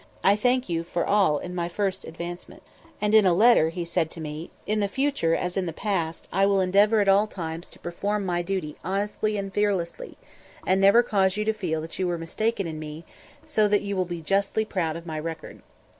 I thank you for all in my first advancement." And in a letter written to me he said: "In the future, as in the past, I will endeavor at all times to perform my duty honestly and fearlessly, and never cause you to feel that you were mistaken in me, so that you will be justly proud of my record."